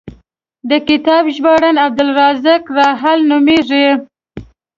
د کتاب ژباړن عبدالرزاق راحل نومېږي.